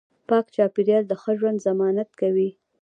پاک چاپیریال د ښه ژوند ضمانت کوي